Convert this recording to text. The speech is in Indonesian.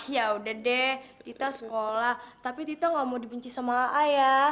yaudah deh tita sekolah tapi tita ga mau dibenci sama laa ya